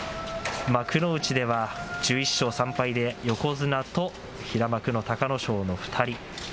幕内では１１勝３敗で横綱と平幕の隆の勝の２人。